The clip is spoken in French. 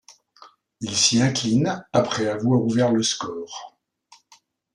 Ils s'y inclinent après avoir ouvert le score.